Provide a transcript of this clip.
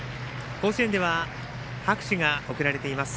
甲子園では拍手が送られています。